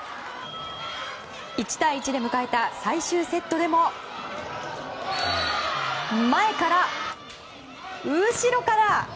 １対１で迎えた最終セットでも前から、後ろから！